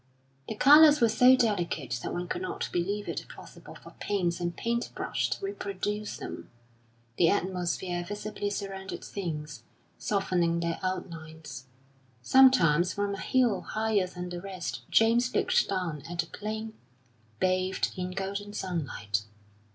The colours were so delicate that one could not believe it possible for paints and paint brush to reproduce them; the atmosphere visibly surrounded things, softening their outlines. Sometimes from a hill higher than the rest James looked down at the plain, bathed in golden sunlight.